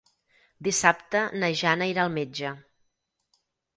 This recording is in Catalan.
Dissabte na Jana irà al metge.